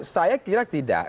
saya kira tidak